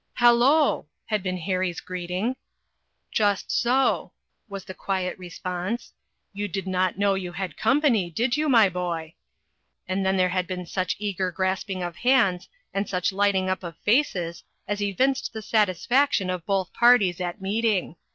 "Halloo!" had been Harry's greeting. " Just so," was the quiet response. " You did not know you had company, did you, my boy?" And then there had been such eager grasping of hands, and such lighting up of faces, as evinced the satisfaction of both parties at meeting.